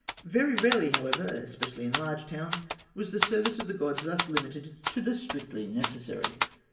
Very rarely, however, especially in large towns, was the service of the gods thus limited to the strictly necessary.